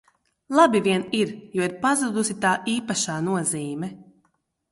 Labi vien ir, jo ir pazudusi tā īpašā nozīmē.